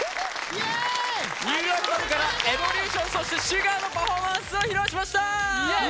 ニューアルバムから「ＥＶＯＬＵＴＩＯＮ」そして「Ｓｕｇａｒ」のパフォーマンスを披露しました。